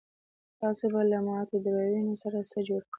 تاسو به له ماتو ډرایوونو سره څه جوړ کړئ